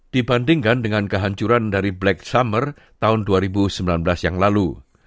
dibandingkan dengan kehancuran dari black summer tahun dua ribu sembilan belas yang lalu